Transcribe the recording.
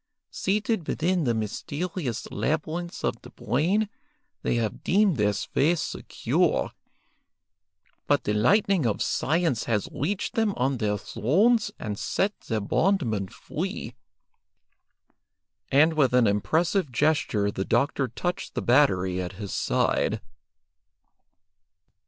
Seated within the mysterious labyrinths of the brain, they have deemed their sway secure, but the lightning of science has reached them on their thrones and set their bondmen free;" and with an impressive gesture the doctor touched the battery at his side.